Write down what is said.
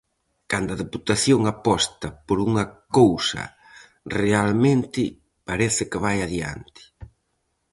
Cando a Deputación aposta por unha cousa realmente, parece que vai adiante.